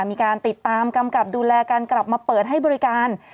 มีการติดตามกำกับดูแลการกลับมาเปิดให้บริการ